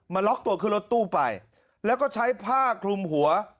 ล็อกตัวขึ้นรถตู้ไปแล้วก็ใช้ผ้าคลุมหัว